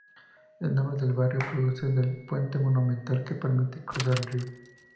El nombre del barrio procede del puente monumental que permite cruzar el río.